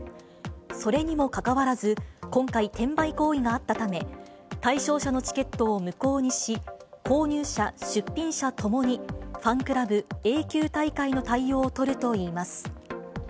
それにもかかわらず、今回、転売行為があったため、対象者のチケットを無効にし、購入者、出品者ともに、ファンクラブ永久退会の対応を取るといいます。